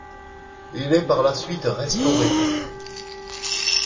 Il est par la suite restauré.